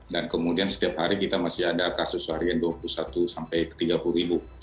dan kemudian setiap hari kita masih ada kasus harian dua puluh satu sampai tiga puluh ribu